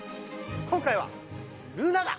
今回はルナだ！